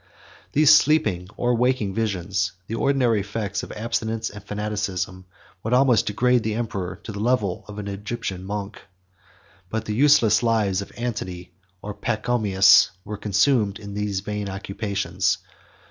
26 These sleeping or waking visions, the ordinary effects of abstinence and fanaticism, would almost degrade the emperor to the level of an Egyptian monk. But the useless lives of Antony or Pachomius were consumed in these vain occupations.